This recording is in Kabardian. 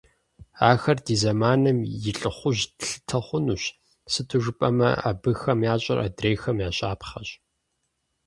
Ахэр ди зэманым и лӏыхъужьу тлъытэ хъунущ, сыту жыпӏэмэ, абыхэм ящӏэр адрейхэм я щапхъэщ.